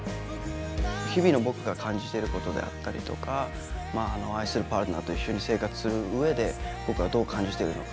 日々の僕が感じていることだったりとか愛するパートナーと一緒に生活するうえで僕がどう感じているのか。